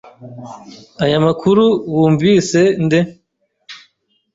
Aya makuru wumvise nde?